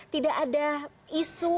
tidak ada isu